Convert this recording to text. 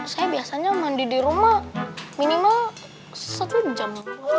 saya biasanya mandi di rumah minimal satu jam